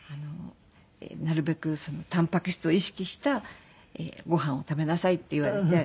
なるべくたんぱく質を意識したごはんを食べなさいって言われて。